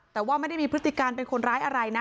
แต่ว่าไม่ได้มีพฤติการเป็นคนร้ายอะไรนะ